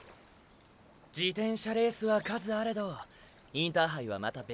自転車レースは数あれどインターハイはまた別格だからな。